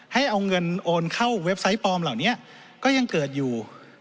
ให้เอาเงินโอนเข้าเว็บไซต์ปลอมเหล่านี้ก็ยังเกิดอยู่